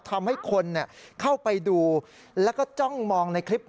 ทำให้คนเข้าไปดูแล้วก็จ้องมองในคลิป